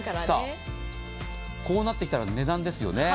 こうなってきたら値段ですよね。